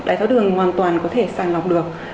đáy tháo đường hoàn toàn có thể sàng lọc được